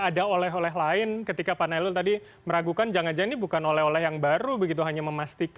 ada oleh oleh lain ketika panelul tadi meragukan jangan jangan ini bukan oleh oleh yang baru begitu hanya memastikan